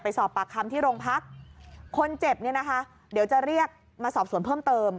สอบปากคำที่โรงพักคนเจ็บเนี่ยนะคะเดี๋ยวจะเรียกมาสอบสวนเพิ่มเติม